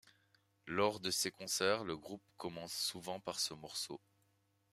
Lors de ses concerts, le groupe commence souvent par ce morceau.